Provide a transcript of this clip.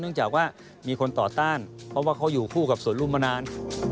จากว่ามีคนต่อต้านเพราะว่าเขาอยู่คู่กับสวนลุมมานาน